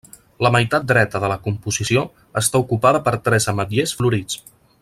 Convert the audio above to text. La meitat dreta de la composició està ocupada per tres ametllers florits.